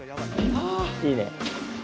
いいね。